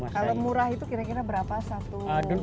kalau murah itu kira kira berapa satu